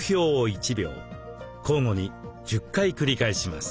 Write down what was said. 交互に１０回繰り返します。